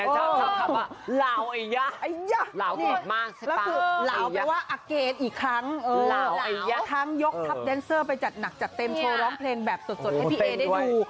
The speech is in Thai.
คำว่าหลาวไอ้ยะหลาวมากหลาวอีกครั้งหลาวทั้งยกไปจัดหนักจัดเต็มโชว์ร้องเพลงแบบสดให้พี่เอได้ดู